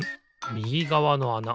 みぎがわのあな